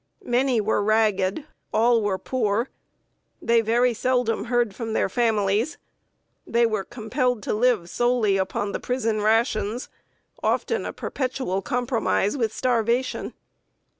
Many were ragged, all were poor. They very seldom heard from their families. They were compelled to live solely upon the prison rations, often a perpetual compromise with starvation.